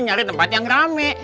nyari tempat yang rame